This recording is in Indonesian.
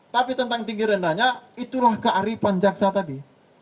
tapi tentang tinggi rendahnya itulah kearifan jaksa tadi